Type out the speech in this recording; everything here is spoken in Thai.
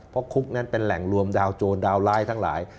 เพราะคุกนั้นเป็นแหล่งรวมดาวโจรดาวร้ายทั้งหลาย